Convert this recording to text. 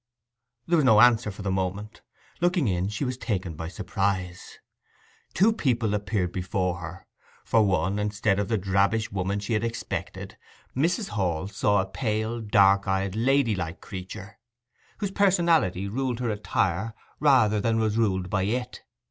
There was no answer for the moment. Looking in she was taken by surprise. Two people appeared before her. For one, instead of the drabbish woman she had expected, Mrs. Hall saw a pale, dark eyed, ladylike creature, whose personality ruled her attire rather than was ruled by it.